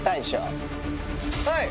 はい？